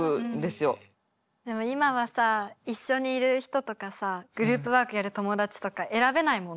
でも今はさ一緒にいる人とかさグループワークやる友達とか選べないもんね。